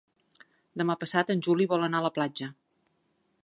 Demà passat en Juli vol anar a la platja.